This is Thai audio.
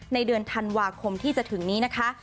ในเดือนธันวาคมที่จะถึงนี้นะคะ